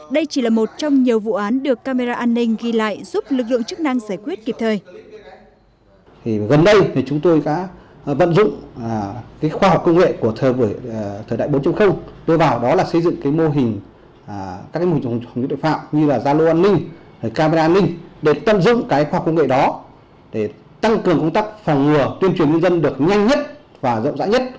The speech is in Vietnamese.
đây chỉ là một trong nhiều vụ án được camera an ninh ghi lại giúp lực lượng chức năng giải quyết kịp thời